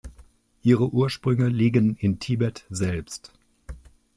Ihre Ursprünge liegen in Tibet selbst.